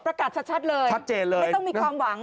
ประกัดชัดเลยไม่ต้องมีความหวัง